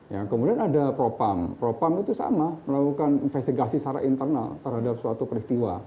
ya kemudian ada propam propam itu sama melakukan investigasi secara internal terhadap suatu peristiwa